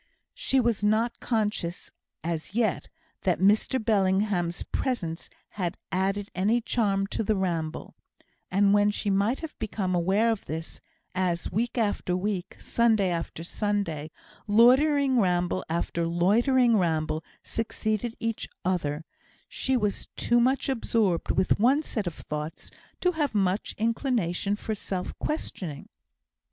She was not conscious, as yet, that Mr Bellingham's presence had added any charm to the ramble; and when she might have become aware of this, as, week after week, Sunday after Sunday, loitering ramble after loitering ramble succeeded each other, she was too much absorbed with one set of thoughts to have much inclination for self questioning.